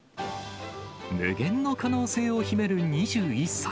無限の可能性を秘める２１歳。